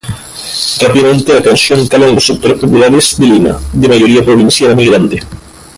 Rápidamente la canción cala en los sectores populares de Lima, de mayoría provinciana migrante.